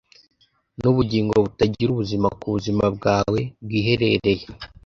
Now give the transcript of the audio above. Nubugingo butagira ubuzima kubuzima bwawe bwiherereye?